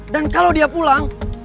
dan kalau dia pulang